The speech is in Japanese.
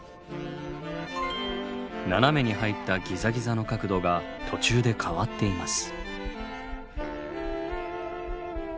斜めに入ったギザギザの角度が途中で変わっています。